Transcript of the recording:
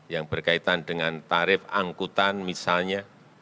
yang berkaitan dengan tarif angkutan misalnya